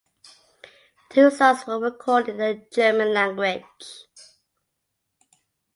Two songs were recorded in the German language.